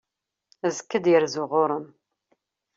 Azekka ad yerzu ɣur-m.